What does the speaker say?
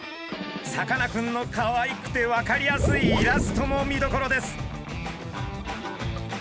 さかなクンのかわいくて分かりやすいイラストも見どころです。